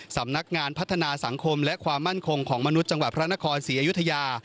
สำนักงานพัฒนาสังคมและความมั่นคงของมนุษย์จังหวัดพระนครศรีอยุธยา